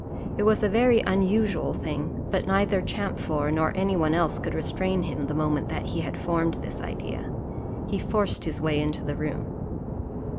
It was a very unusual thing, but neither Champfort nor any one else could restrain him, the moment that he had formed this idea; he forced his way into the room.